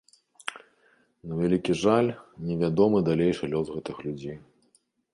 На вялікі жаль, невядомы далейшы лёс гэтых людзей.